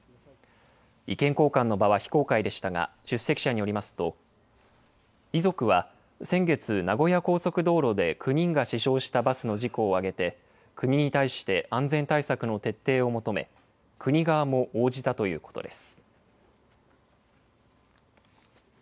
意見交換の場は非公開でしたが、出席者によりますと、遺族は先月名古屋高速道路で９人が死傷したバスの事故を挙げて、国に対して安全対策の徹底を求め、国側も応じたということです。